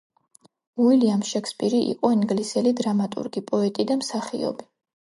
უილიამ შექსპირი იყო ინგლისელი დრამატურგი პოეტი და მსახიობი.